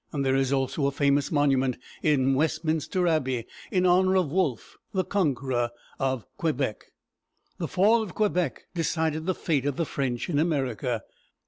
There is also a famous monument in West´min ster Abbey, in honor of Wolfe, the conqueror of Quebec. The fall of Quebec decided the fate of the French in America.